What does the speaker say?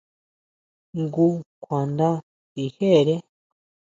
Jngu kjuanda sijere.